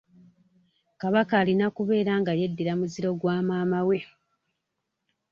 Kabaka alina kubeera nga yeddira muziro gwa maama we.